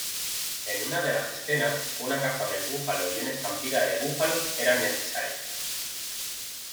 En unas escenas, una caza del búfalo y una estampida de búfalos eran necesarios.